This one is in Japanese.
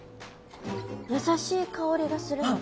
優しい香りがするので。